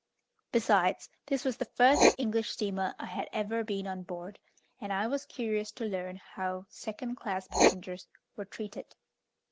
Besides, this was the first English steamer I had ever been on board, and I was curious to learn how second class passengers were treated.